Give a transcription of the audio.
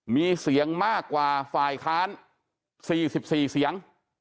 มีเสียงมากกว่าฝ่ายค้าน๔๔เสียง